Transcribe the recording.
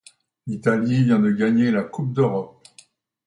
l'Italie vient de gagner la coupe d'Europe.